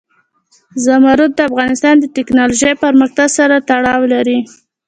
زمرد د افغانستان د تکنالوژۍ پرمختګ سره تړاو لري.